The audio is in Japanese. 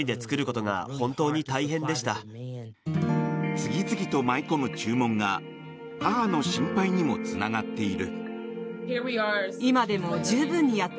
次々と舞い込む注文が母の心配にもつながっている。